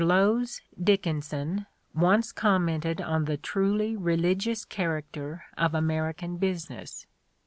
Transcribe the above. Lowes Dickinson once commented on the truly religious character of American business.